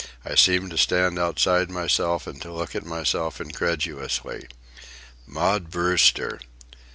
I seemed to stand outside myself and to look at myself incredulously. Maud Brewster!